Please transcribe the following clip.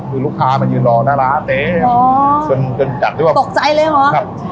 คือลูกค้ามันยืนรอหน้าร้านเนี้ยอ๋อจนจัดด้วยตกใจเลยเหรอครับ